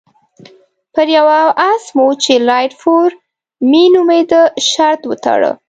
پر یوه اس مو چې لایټ فور مي نومېده شرط وتاړه.